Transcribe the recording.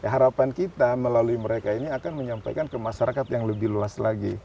harapan kita melalui mereka ini akan menyampaikan ke masyarakat yang lebih luas lagi